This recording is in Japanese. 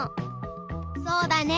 そうだね。